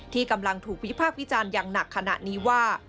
ที่กำลังถูกวิพากษ์วิจารณ์อย่างหนักขณะนี้ว่า